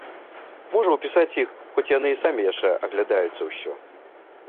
Можа, упісаць іх, хоць яны і самі яшчэ аглядаюцца ўсё?